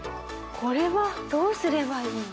これはどうすればいい？